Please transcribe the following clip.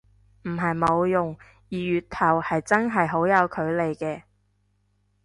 唔係冇用，二月頭係真係好有距離嘅